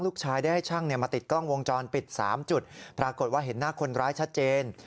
ลูกชายได้ให้ช่างมาติดกล้องวงจรปิด๓จุดปรากฏว่าเห็นหน้าคนร้ายชัดเจน